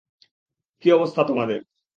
কী অবস্থা তোমাদের?